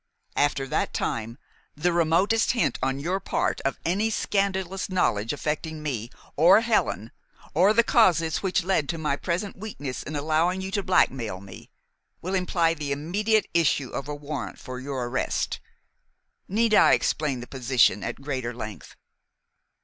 After that time, the remotest hint on your part of any scandalous knowledge affecting me, or Helen, or the causes which led to my present weakness in allowing you to blackmail me, will imply the immediate issue of a warrant for your arrest. Need I explain the position at greater length?"